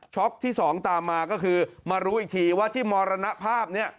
ที่๒ตามมาก็คือมารู้อีกทีว่าที่มรณภาพเนี่ย